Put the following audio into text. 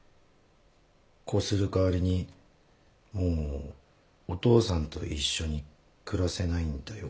こうする代わりにもうお父さんと一緒に暮らせないんだよ？